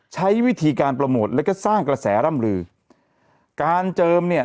ใช้วิธีการโปรโมทแล้วก็สร้างกระแสร่ำลือการเจิมเนี่ย